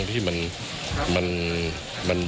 มีนะอ่ะ